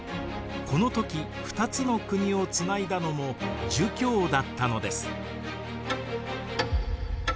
この時２つの国をつないだのも儒教だったのです。